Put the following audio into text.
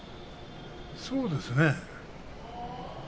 そうですね。